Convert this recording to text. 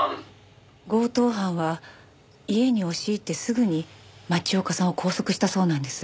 強盗犯は家に押し入ってすぐに町岡さんを拘束したそうなんです。